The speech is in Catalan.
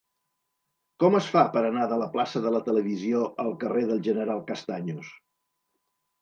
Com es fa per anar de la plaça de la Televisió al carrer del General Castaños?